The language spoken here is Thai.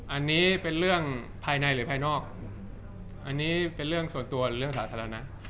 อันนี้เป็นเรื่องภายในหรือภายนอกอันนี้เป็นเรื่องส่วนตัวหรือเรื่องสาธารณะ